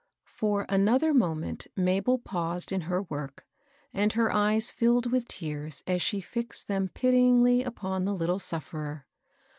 For another moment Mabel paused in her work ; and her eyes filled with tears as she fixed them pityingly upon the little suflPerer.